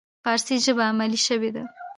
فارسي ژبه علمي شوې ده.